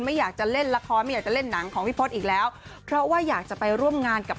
ไม่อยากจะเล่นละครไม่อยากจะเล่นหนังของพี่พศอีกแล้วเพราะว่าอยากจะไปร่วมงานกับ